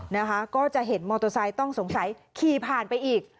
นะคะก็จะเห็นมอเตอร์ไซค์ต้องสงสัยขี่ผ่านไปอีก